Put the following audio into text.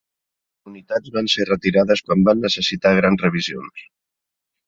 Les unitats van ser retirades quan van necessitar grans revisions.